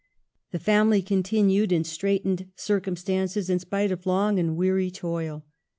The family continued in straitened circum stances, in spite of long and weary toil.